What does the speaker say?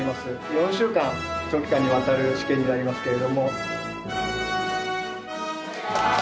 ４週間長期間にわたる試験になりますけれども」。